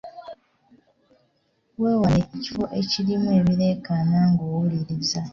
Weewale ekifo ekirimu ebireekaana ng'owuliriza.